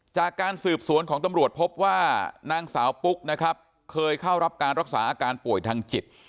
จากการสืบสวนของตำรวจพบว่านางสาวปุ๊กนะครับเคยเข้ารับการรักษาอาการป่วยทางจิต